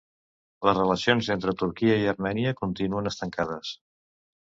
Les relacions entre Turquia i Armènia continuen estancades.